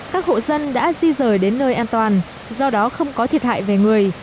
các hộ dân đã di rời đến nơi an toàn do đó không có thiệt hại về người